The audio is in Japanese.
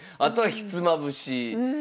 うんひつまぶし。